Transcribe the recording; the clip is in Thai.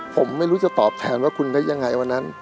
ผมไม่รู้จะตอบแทนว่าคุณได้ยังไงวันนั้น